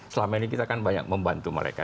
selama ini kita kan banyak membantu mereka